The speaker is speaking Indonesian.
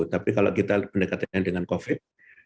tapi kalau kita pendekatannya dengan covid